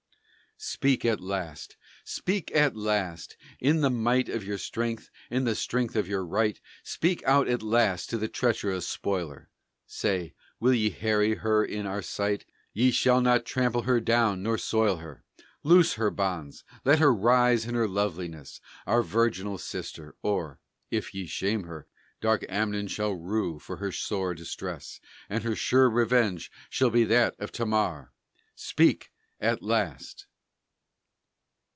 Speak at last! Speak at last! In the might of your strength, in the strength of your right, Speak out at last to the treacherous spoiler! Say: "Will ye harry her in our sight? Ye shall not trample her down, nor soil her! Loose her bonds! let her rise in her loveliness, Our virginal sister; or, if ye shame her, Dark Amnon shall rue for her sore distress, And her sure revenge shall be that of Tamar!" Speak at last!